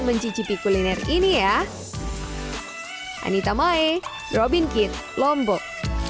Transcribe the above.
mencicipi kuliner ini ya anita mae robin kit lombok